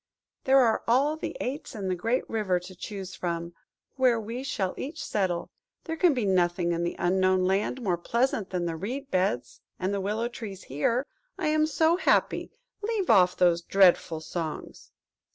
There are all the aits in the great river to choose from, where we shall each settle; there can be nothing in the Unknown Land more pleasant than the reed beds and the willow trees here. I am so happy!–Leave off those dreadful songs!"